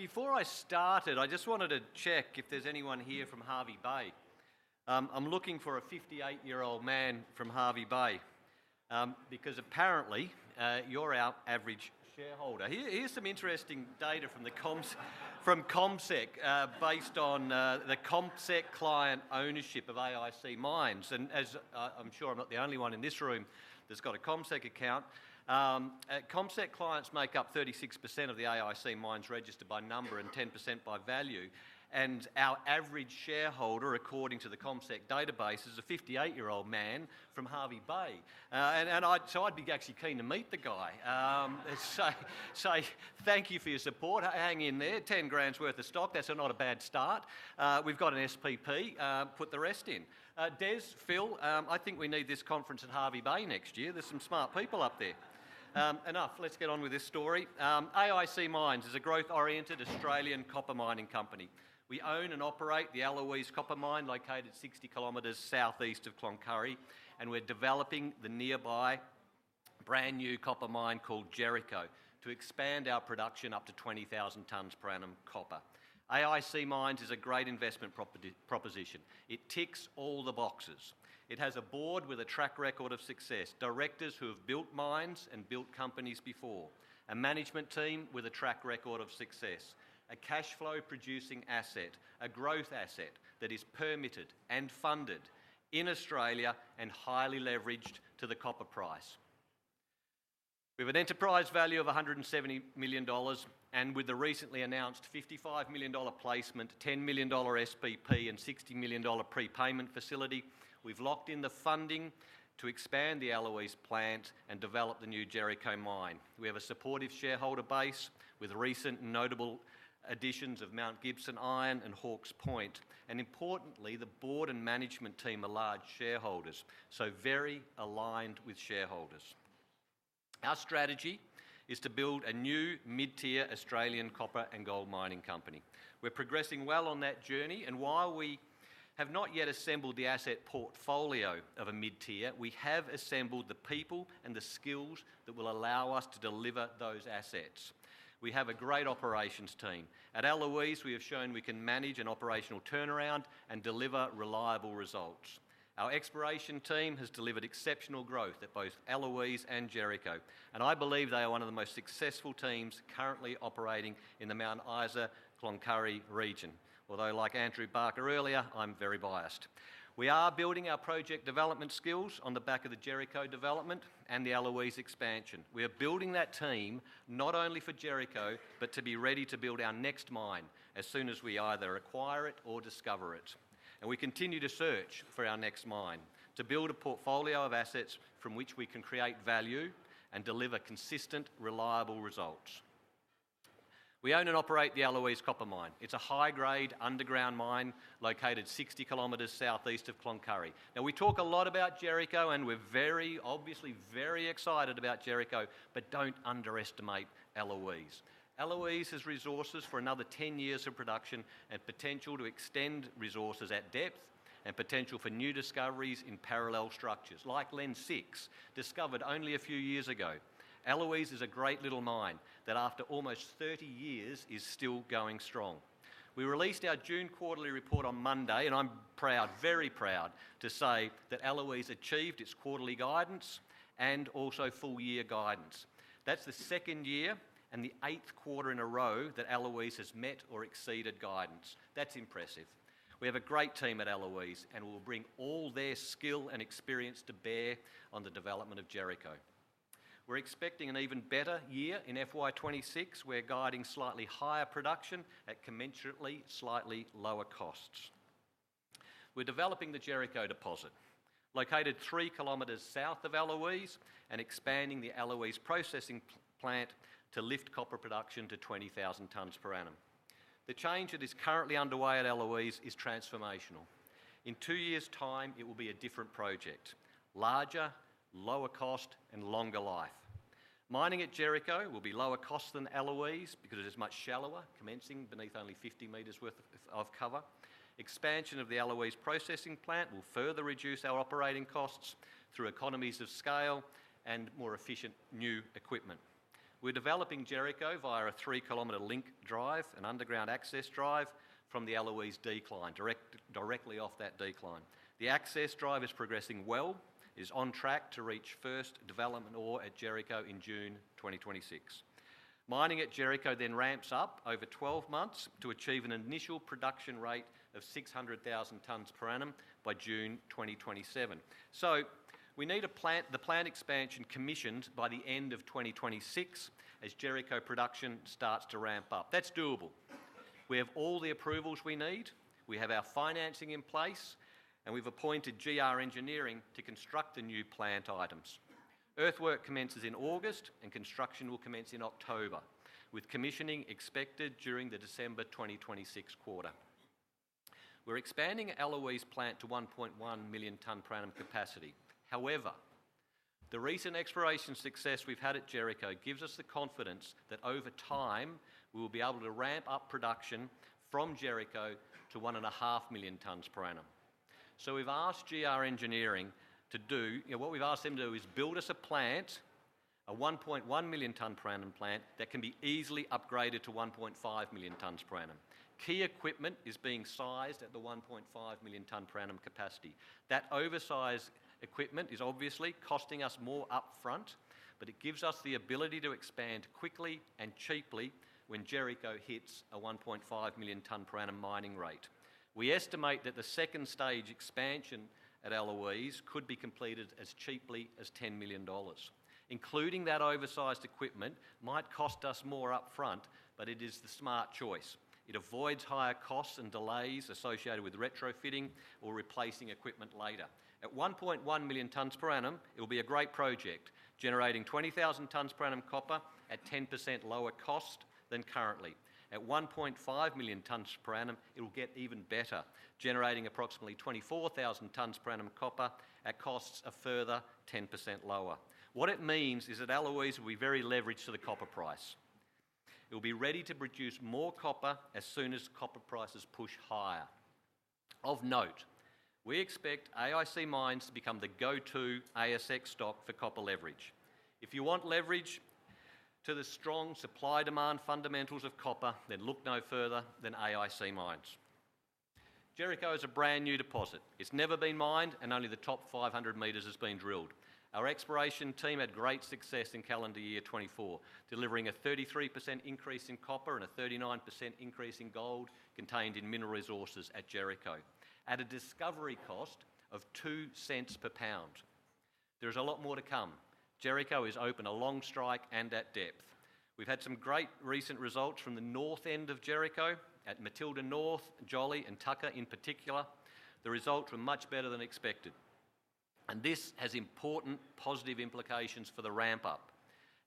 Before I started, I just wanted to check if there's anyone here from Hervey Bay. I'm looking for a 58-year-old man from Hervey Bay, because apparently you're our average shareholder. Here's some interesting data from the comps from CommSec based on the CommSec client ownership of AIC Mines. As I'm sure I'm not the only one in this room that's got a CommSec account, CommSec clients make up 36% of the AIC Mines registered by number and 10% by value. Our average shareholder, according to the CommSec database, is a 58-year-old man from Hervey Bay. I'd be actually keen to meet the guy. Thank you for your support. Hang in there. 10,000 worth of stock. That's not a bad start. We've got an SPP. Put the rest in. Des, Phil, I think we need this conference Hervey Bay next year. There's some smart people up there. Enough. Let's get on with this story. AIC Mines is a growth-oriented Australian copper mining company. We own and operate the Eloise Copper Mine, located 60 km southeast of Cloncurry, and we're developing the nearby brand new copper mine called Jericho to expand our production up to 20,000 tons per annum copper. AIC Mines is a great investment proposition. It ticks all the boxes. It has a board with a track record of success, directors who have built mines and built companies before, a management team with a track record of success, a cash flow producing asset, a growth asset that is permitted and funded in Australia and highly leveraged to the copper price. With an enterprise value of 170 million dollars and with the recently announced 55 million dollar placement, 10 million dollar SPP, and 60 million dollar prepayment facility, we've locked in the funding to expand the Eloise pPlant and develop the new Jericho mine. We have a supportive shareholder base with recent notable additions of Mount Gibson Iron and Hawke's Point, and importantly, the board and management team are large shareholders, so very aligned with shareholders. Our strategy is to build a new mid-tier Australian copper and gold mining company. We're progressing well on that journey, and while we have not yet assembled the asset portfolio of a mid-tier, we have assembled the people and the skills that will allow us to deliver those assets. We have a great operations team. At Eloise, we have shown we can manage an operational turnaround and deliver reliable results. Our exploration team has delivered exceptional growth at both Eloise and Jericho, and I believe they are one of the most successful teams currently operating in the Mount Isa-Cloncurry region. Although, like Andrew Barker earlier, I'm very biased. We are building our project development skills on the back of the Jericho development and the Eloise expansion. We are building that team not only for Jericho, but to be ready to build our next mine as soon as we either acquire it or discover it. We continue to search for our next mine to build a portfolio of assets from which we can create value and deliver consistent, reliable results. We own and operate the Eloise Copper Mine. It's a high-grade underground mine located 60 km southeast of Cloncurry. Now, we talk a lot about Jericho, and we're very, obviously, very excited about Jericho, but don't underestimate Eloise. Eloise has resources for another 10 years of production and potential to extend resources at depth and potential for new discoveries in parallel structures like Lens 6, discovered only a few years ago. Eloise is a great little mine that after almost 30 years is still going strong. We released our June quarterly report on Monday, and I'm proud, very proud to say that Eloise achieved its quarterly guidance and also full-year guidance. That's the second year and the eighth quarter in a row that Eloise has met or exceeded guidance. That's impressive. We have a great team at Eloise, and we'll bring all their skill and experience to bear on the development of Jericho. We're expecting an even better year in FY 2026. We're guiding slightly higher production at commensurately slightly lower costs. We're developing the Jericho deposit located three km south of Eloise and expanding the Eloise processing plant to lift copper production to 20,000 tons per annum. The change that is currently underway at Eloise is transformational. In two years' time, it will be a different project, larger, lower cost, and longer life. Mining at Jericho will be lower cost than Eloise because it is much shallower, commencing beneath only 50 meters worth of cover. Expansion of the Eloise processing plant will further reduce our operating costs through economies of scale and more efficient new equipment. We're developing Jericho via a 3 km link drive, an underground access drive from the Eloise decline, directly off that decline. The access drive is progressing well, is on track to reach first development ore at Jericho in June 2026. Mining at Jericho then ramps up over 12 months to achieve an initial production rate of 600,000 tons per annum by June 2027. We need the plant expansion commissioned by the end of 2026 as Jericho production starts to ramp up. That's doable. We have all the approvals we need. We have our financing in place, and we've appointed GR Engineering to construct the new plant items. Earthwork commences in August, and construction will commence in October, with commissioning expected during the December 2026 quarter. We're expanding Eloise plant to 1.1 million tons per annum capacity. However, the recent exploration success we've had at Jericho gives us the confidence that over time we will be able to ramp up production from Jericho to 1.5 million tons per annum. We've asked GR Engineering to do, you know, what we've asked them to do is build us a plant, a 1.1 million ton per annum plant that can be easily upgraded to 1.5 million tons per annum. Key equipment is being sized at the 1.5 million ton per annum capacity. That oversized equipment is obviously costing us more upfront, but it gives us the ability to expand quickly and cheaply when Jericho hits a 1.5 million ton per annum mining rate. We estimate that the second stage expansion at Eloise could be completed as cheaply as 10 million dollars. Including that oversized equipment might cost us more upfront, but it is the smart choice. It avoids higher costs and delays associated with retrofitting or replacing equipment later. At 1.1 million tons per annum, it will be a great project, generating 20,000 tons per annum copper at 10% lower cost than currently. At 1.5 million tons per annum, it will get even better, generating approximately 24,000 tons per annum copper at costs a further 10% lower. What it means is that Eloise will be very leveraged to the copper price. It will be ready to produce more copper as soon as copper prices push higher. Of note, we expect AIC Mines to become the go-to ASX stock for copper leverage. If you want leverage to the strong supply-demand fundamentals of copper, then look no further than AIC Mines. Jericho is a brand new deposit. It's never been mined, and only the top 500 meters has been drilled. Our exploration team had great success in calendar year 2024, delivering a 33% increase in copper and a 39% increase in gold contained in mineral resources at Jericho, at a discovery cost of 0.02 per pound. There is a lot more to come. Jericho is open along strike and at depth. We've had some great recent results from the north end of Jericho at Matilda North, Jolly, and Tucker in particular. The results were much better than expected. This has important positive implications for the ramp-up.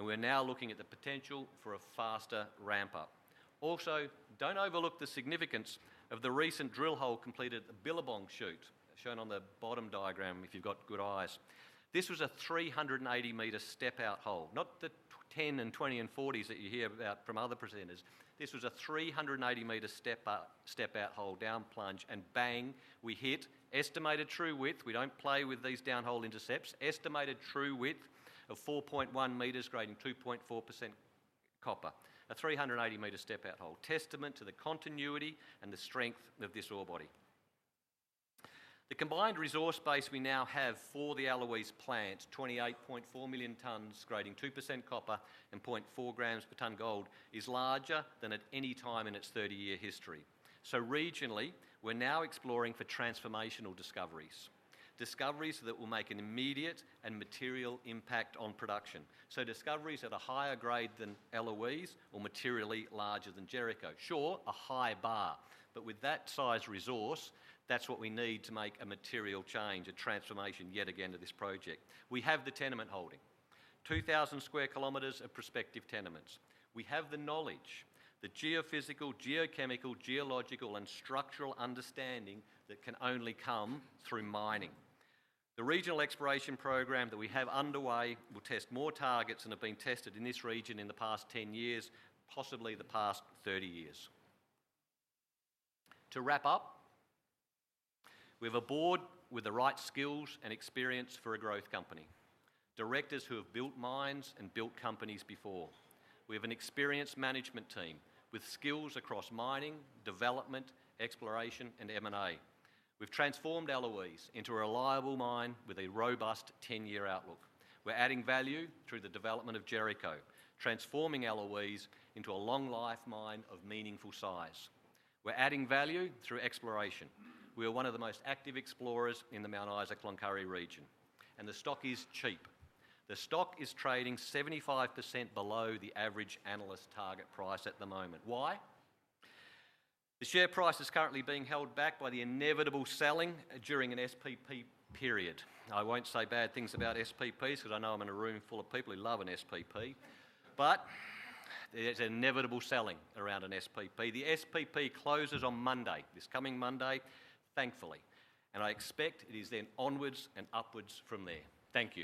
We're now looking at the potential for a faster ramp-up. Also, don't overlook the significance of the recent drill hole completed at the Billabong chute, shown on the bottom diagram if you've got good eyes. This was a 380-meter step-out hole, not the 10 and 20 and 40s that you hear about from other presenters. This was a 380-meter step-out hole, down plunge, and bang, we hit. Estimated true width, we don't play with these down-hole intercepts, estimated true width of 4.1 meters, grading 2.4% copper. A 380-meter step-out hole, testament to the continuity and the strength of this ore body. The combined resource base we now have for the Eloise plant, 28.4 million tons, grading 2% copper and 0.4 grams per ton gold, is larger than at any time in its 30-year history. Regionally, we're now exploring for transformational discoveries. Discoveries that will make an immediate and material impact on production. Discoveries at a higher grade than Eloise or materially larger than Jericho. Sure, a high bar, but with that size resource, that's what we need to make a material change, a transformation yet again to this project. We have the tenement holding, 2,000 square km of prospective tenements. We have the knowledge, the geophysical, geochemical, geological, and structural understanding that can only come through mining. The regional exploration program that we have underway will test more targets than have been tested in this region in the past 10 years, possibly the past 30 years. To wrap up, we have a board with the right skills and experience for a growth company, directors who have built mines and built companies before. We have an experienced management team with skills across mining, development, exploration, and M&A. We've transformed Eloise into a reliable mine with a robust 10-year outlook. We're adding value through the development of Jericho, transforming Eloise into a long-life mine of meaningful size. We're adding value through exploration. We are one of the most active explorers in the Mount Isa-Cloncurry region, and the stock is cheap. The stock is trading 75% below the average analyst target price at the moment. Why? The share price is currently being held back by the inevitable selling during an SPP period. I won't say bad things about SPPs because I know I'm in a room full of people who love an SPP, but there's inevitable selling around an SPP. The SPP closes on Monday, this coming Monday, thankfully, and I expect it is then onwards and upwards from there. Thank you.